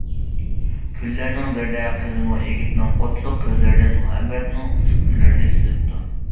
كۈنلەرنىڭ بىرىدە قىزمۇ يىگىتنىڭ ئوتلۇق كۆزلىرىدىن مۇھەببەتنىڭ ئۇچقۇنلىرىنى سېزىپتۇ.